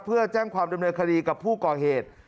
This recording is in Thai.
เพื่อแจ้งความดำเนินคดีกับผู้ก่อเหตุ